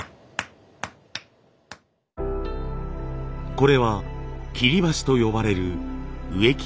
これは切箸と呼ばれる植木鋏。